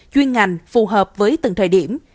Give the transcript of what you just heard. chuyên ngành phù hợp với từng thời điểm